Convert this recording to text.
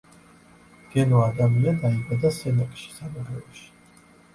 გენო ადამია დაიბადა სენაკში, სამეგრელოში.